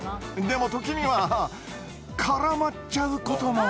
でも時には絡まっちゃうことも。